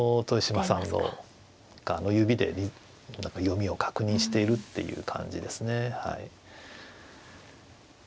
豊島さんが指で読みを確認しているっていう感じですね。